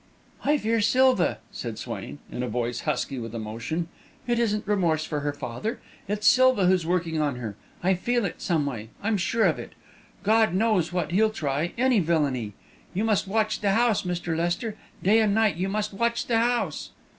"I fear Silva!" said Swain, in a voice husky with emotion. "It isn't remorse for her father it's Silva who's working on her. I feel it, some way I'm sure of it. God knows what he'll try any villainy. You must watch the house, Mr. Lester day and night you must watch the house!"